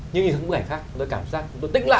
nhưng những bức ảnh khác chúng ta cảm giác chúng ta tĩnh lại